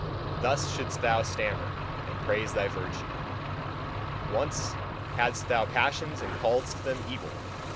Thus shouldst thou stammer, and praise thy virtue. Once hadst thou passions and calledst them evil.